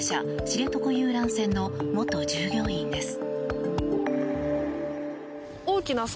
知床遊覧船の元従業員です。